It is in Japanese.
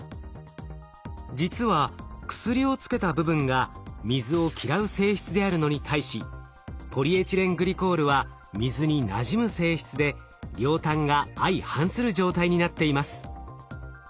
実は薬をつけた部分が水を嫌う性質であるのに対しポリエチレングリコールは水になじむ性質で両端が相反する状態になっています。